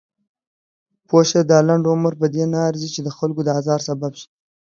پوهه شه! دا لنډ عمر پدې نه ارزي چې دخلکو د ازار سبب شئ.